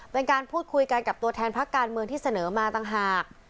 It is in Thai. เป็นการพูดคุยกันกับตัวแทนพักการเมืองที่เสนอมาต่างหาก